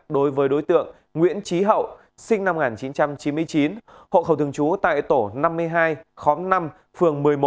đối với đối tượng nguyễn trí hậu sinh năm một nghìn chín trăm chín mươi chín hộ khẩu thường trú tại tổ năm mươi hai khóm năm phường một mươi một